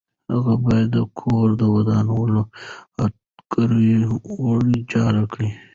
هغه باید د کور ودانولو هتکړۍ ورواچوي.